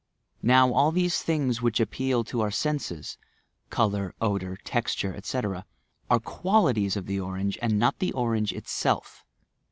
Now all these things whieli appeal to our seases — colour, odour, texture, etc. — are "qualities" of the orange, and not the orange itself.